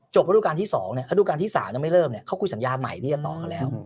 จบประดูกการที่๒เนี่ยประดูกการที่๓ถ้าไม่เริ่มเนี่ยเขาคุยสัญญาใหม่ดีกว่าต่อกันแล้ว